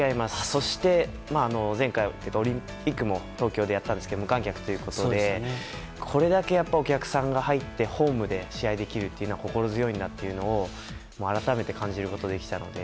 そして、前回のオリンピックも東京でやったんですけど無観客だったということでこれだけお客さんが入ってホームで試合できるのは心強いなというのを改めて、感じることができたので。